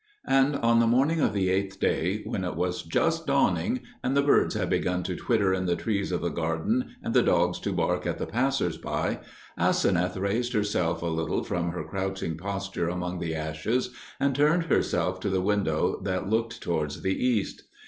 And on the morning of the eighth day, when it was just dawning, and the birds had begun to twitter in the trees of the garden, and the dogs to bark at the passers by, Aseneth raised herself a little from her crouching posture among the ashes and turned herself to the window that looked towards the east.